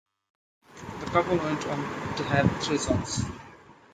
The couple went on to have three sons.